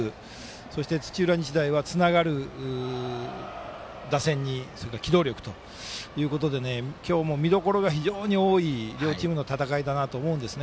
そして、土浦日大はつながる打線にそれから機動力ということで今日も見どころが非常に多い両チームの戦いだなと思うんです。